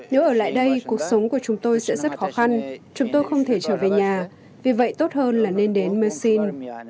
nếu ở lại đây cuộc sống của chúng tôi sẽ rất khó khăn chúng tôi không thể trở về nhà vì vậy tốt hơn là nên đến maxim